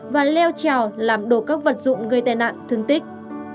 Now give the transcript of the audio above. và leo trèo làm đổ các vật dụng gây tai nạn thương tích